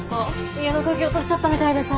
家の鍵落としちゃったみたいでさ。